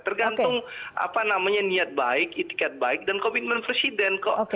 tergantung apa namanya niat baik itikat baik dan komitmen presiden kok